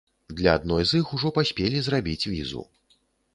Для адной з іх ужо паспелі зрабіць візу.